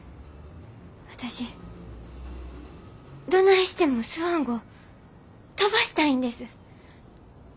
私どないしてもスワン号飛ばしたいんです。